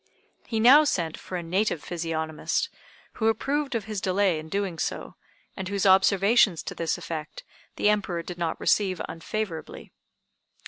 He now sent for a native physiognomist, who approved of his delay in doing so, and whose observations to this effect, the Emperor did not receive unfavorably.